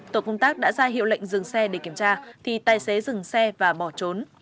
tổ công tác đã ra hiệu lệnh dừng xe để kiểm tra thì tài xế dừng xe và bỏ trốn